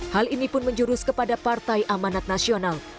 hal ini pun menjurus kepada partai amanat nasional